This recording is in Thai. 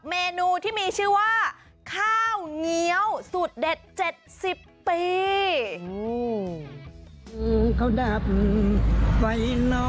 เมนูที่มีชื่อว่าข้าวเงี้ยวสูตรเด็ด๗๐ปี